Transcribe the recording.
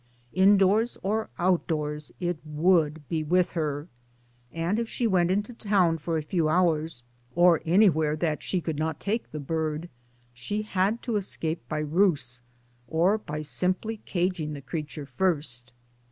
In doors or outdoors it would be with her ; and if she went into town for a few hours, or anywhere that she could not take the bird, she had to escape by ruse, or by simply caging the creature first.